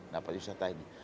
nah pariwisata ini